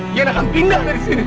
biar akan pindah dari sini